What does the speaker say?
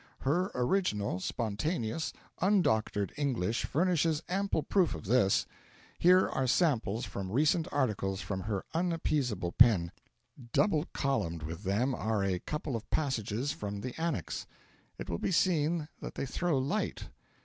Her original, spontaneous, undoctored English furnishes ample proof of this. Here are samples from recent articles from her unappeasable pen; double columned with them are a couple of passages from the Annex. It will be seen that they throw light.